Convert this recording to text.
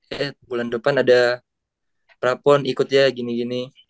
eh bulan depan ada prapon ikut ya gini gini